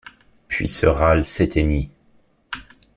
Puis ce râle s’éteignit.